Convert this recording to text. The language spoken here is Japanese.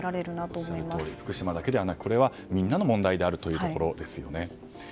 おっしゃるとおり福島だけではなくこれはみんなの問題であるというところですよね。